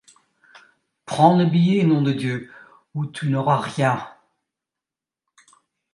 Prends le billet, nom de Dieu ! ou tu n’auras rien !